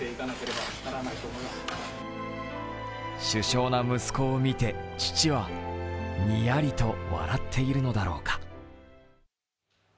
殊勝な息子を見て、父はにやりと笑っているのだろうか。